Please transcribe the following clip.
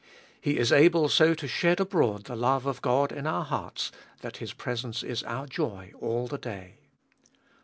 He is able so to shed abroad the love of God in our hearts that His presence is our joy all the day.